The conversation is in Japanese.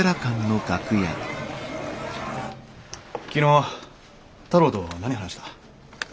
昨日太郎と何話した？